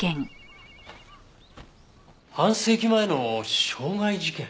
半世紀前の傷害事件？